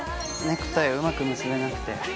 ネクタイうまく結べなくて。